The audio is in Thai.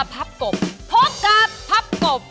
พับกบ